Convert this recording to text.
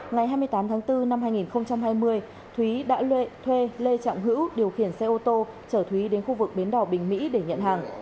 ngày hai mươi tám tháng bốn năm hai nghìn hai mươi thúy đã lệ thuê lê trọng hữu điều khiển xe ô tô trở thúy đến khu vực bến đỏ bình mỹ để nhận hàng